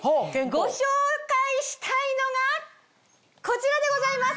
ご紹介したいのがこちらでございます。